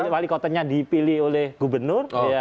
wali kotanya dipilih oleh gubernur